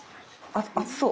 熱そう。